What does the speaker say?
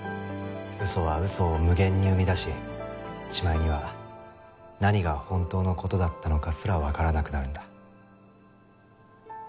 嘘は嘘を無限に生み出ししまいには何が本当の事だったのかすらわからなくなるんだ。